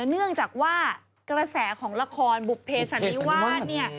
เนื่องจากว่ากระแสของละครบุภเพสันนิวาสเนี่ย